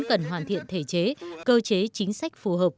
cần hoàn thiện thể chế cơ chế chính sách phù hợp